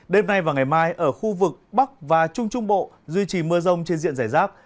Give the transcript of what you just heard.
đêm nay và ngày mai ở khu vực bắc và trung trung bộ duy trì mưa rông trên diện giải rác